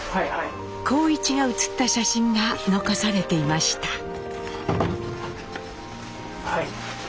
幸一が写った写真が残されていました。